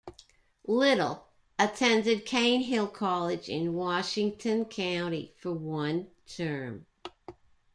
Little attended Cane Hill College in Washington County for one term.